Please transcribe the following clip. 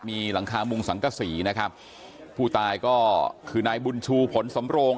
มีหลังคามุงสังกษีนะครับผู้ตายก็คือนายบุญชูผลสำโรง